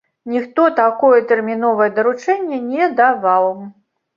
Ніхто такое тэрміновае даручэнне не даваў.